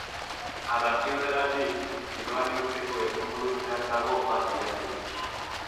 Arrazoi horregatik, kiloa neurtzeko beste modu zehatzago bat bilatu dute.